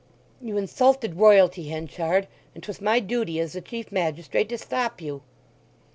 "You insulted Royalty, Henchard; and 'twas my duty, as the chief magistrate, to stop you."